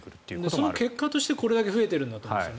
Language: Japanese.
その結果としてこれだけ増えているんだと思うんです。